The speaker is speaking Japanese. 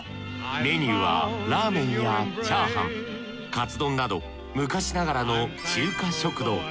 メニューはラーメンやチャーハンカツ丼など昔ながらの中華食堂。